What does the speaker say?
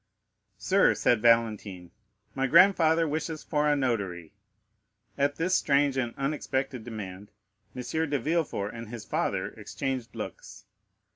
"Sir," said Valentine, "my grandfather wishes for a notary." At this strange and unexpected demand M. de Villefort and his father exchanged looks.